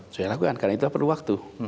sudah dilakukan karena itu perlu waktu